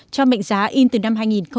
cho mệnh giá in từ năm hai nghìn một mươi